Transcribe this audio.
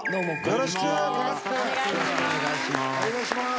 よろしくお願いします。